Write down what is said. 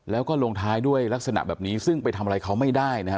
แล้วก็ลงท้ายด้วยลักษณะแบบนี้ซึ่งไปทำอะไรเขาไม่ได้นะฮะ